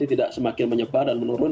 pasti tidak semakin menyebabkan dan menurun